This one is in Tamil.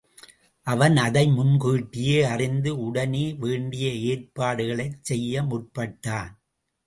அவன் அதை முன்கூட்டியே அறிந்து உடனே வேண்டிய ஏற்பாடுகளைச் செய்ய முற்பட்டான்.